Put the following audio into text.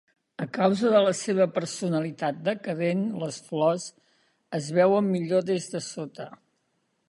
A causa de la seva personalitat decadent, les flors es veuen millor des de sota.